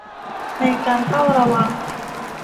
ในการเฝ้าระวัง